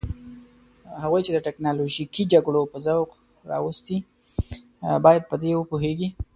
هغوی چې د تکنالوژیکي جګړو په ذوق راوستي باید په دې وپوهیږي.